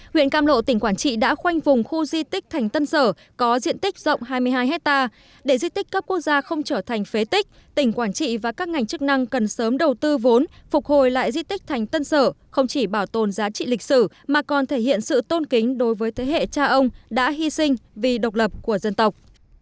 huyện cam lộ tỉnh quảng trị đã khoanh vùng khu di tích thành tân sở có diện tích rộng hai mươi hai hectare để di tích cấp quốc gia không trở thành phế tích tỉnh quảng trị và các ngành chức năng cần sớm đầu tư vốn phục hồi lại di tích thành tân sở không chỉ bảo tồn giá trị lịch sử mà còn thể hiện sự tôn kính đối với thế hệ cha ông đã hy sinh vì độc lập của dân tộc